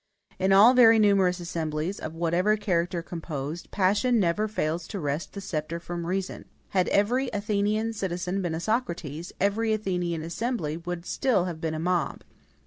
In all very numerous assemblies, of whatever character composed, passion never fails to wrest the sceptre from reason. Had every Athenian citizen been a Socrates, every Athenian assembly would still have been a mob.